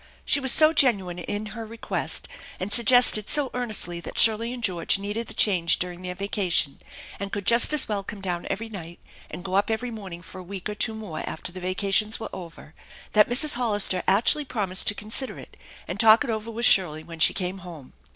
She was so genuine in her request and suggested so earnestly that Shirley and George needed the change during their vacation, and could just as well come down every night and go up every morning for a week or two more after the vacations were over, that Mrs. Hollister actually promised to consider it and talk it over with Shirley when she came home.